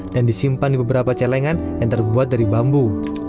dan disimpan di beberapa celengan yang terbuat dari bambu